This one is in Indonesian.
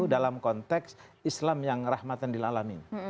dalam konteks islam yang rahmatan dilalamin